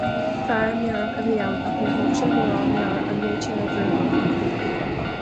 Fear meabhrach a bhí ann ach níor thóg sé mórán meabhair an méid sin a oibriú amach.